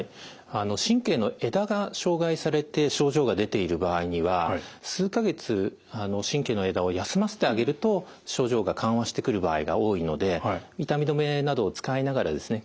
神経の枝が障害されて症状が出ている場合には数か月神経の枝を休ませてあげると症状が緩和してくる場合が多いので痛み止めなどを使いながらですね